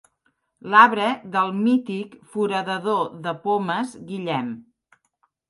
L'arbre del mític foradador de pomes Guillem.